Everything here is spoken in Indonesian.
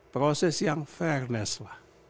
proses yang fairness lah